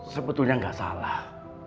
sebetulnya nggak salah